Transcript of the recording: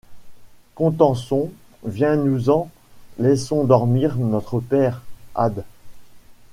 Contenson, viens-nous-en, laissons dormir notre père... ade...